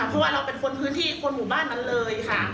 เพราะเราเป็นผู้บ้านนั้นเลยค่ะ